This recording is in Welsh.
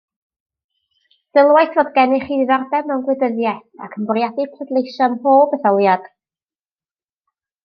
Sylwais fod gennych chi ddiddordeb mewn gwleidyddiaeth ac yn bwriadu pleidleisio ymhob etholiad